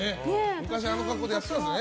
昔あの格好でやってたんですよ